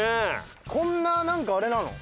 こんななんか、あれなの？